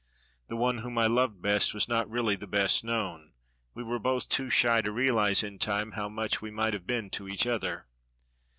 The one whom I loved best was not really the best known; we were both too shy to realize in time how much we might have been to each other.